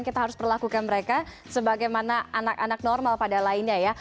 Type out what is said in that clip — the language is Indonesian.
kita harus perlakukan mereka sebagaimana anak anak normal pada lainnya ya